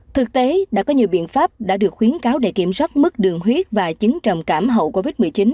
thực tế đã có nhiều biện pháp đã được khuyến cáo để kiểm soát mức đường huyết và chứng trầm cảm hậu covid một mươi chín